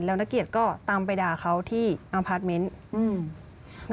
แล้วนักเกียรติก็ตามไปด่าเขาที่อพาร์ทเมนต์